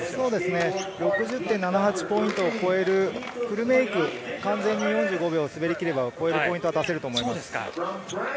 ６０．７８を超えるフルメイク、４５秒滑り切れば超えるポイントが出せると思います。